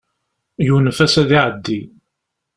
Yunef-as ad iɛeddi.